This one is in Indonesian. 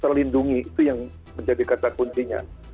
terlindungi itu yang menjadi kata kuncinya